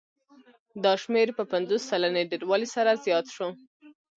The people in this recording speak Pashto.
دا شمېر په پنځوس سلنې ډېروالي سره زیات شو